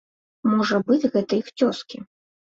Можа быць, гэта іх цёзкі.